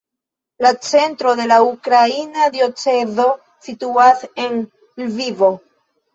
La centro de la ukraina diocezo situas en Lvivo.